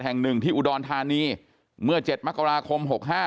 แห่ง๑ที่อุดรธานีเมื่อ๗มกราคม๑๙๖๕